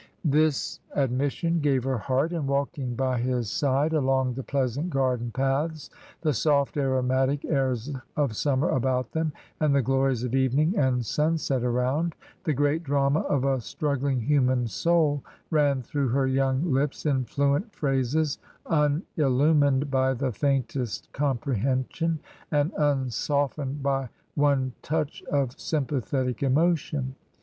This admission gave her heart, and walking by his side along the pleasant garden paths, the soft aromatic airs of summer about them, and the glories of evening and sunset around, the great drama of a struggling human soul ran through her young lips in fluent phrases, unillumined by the faintest comprehension, and un softened by one touch of sympathetic emotion.